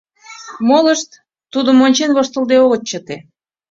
Молышт, тудым ончен, воштылде огыт чыте.